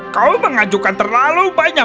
kau mengajukan terlalu banyak